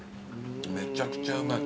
めちゃくちゃうまい。